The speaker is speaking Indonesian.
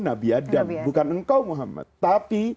nabi adam bukan engkau muhammad tapi